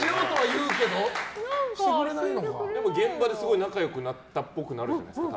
現場ですごく仲良くなったぽくなるんじゃないですか？